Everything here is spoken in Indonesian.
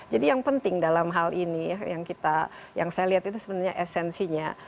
jadi yang penting dalam hal ini yang kita yang saya lihat itu sebenarnya esensinya